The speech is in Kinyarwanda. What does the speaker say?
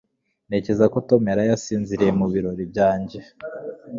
Ntekereza ko Tom yaraye asinziriye mu birori byanjye